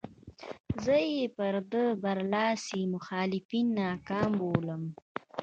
زه یې پر ده برلاسي مخالفین ناکام بولم.